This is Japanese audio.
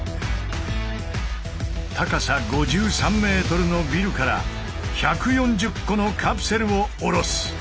高さ５３ｍのビルから１４０個のカプセルを下ろす。